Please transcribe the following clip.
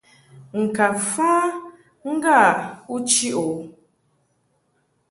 Ŋka fa ŋga u chiʼ o.